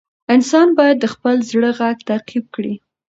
انسان باید د خپل زړه غږ تعقیب کړي.